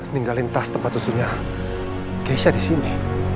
ninggalin tas tempat susunya geisha disini